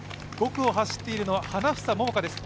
５区を走っているのは花房百伽です